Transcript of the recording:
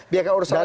biarkan urusan lain